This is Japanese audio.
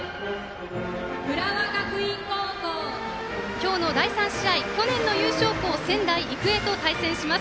今日の第３試合、去年の優勝校仙台育英と対戦します。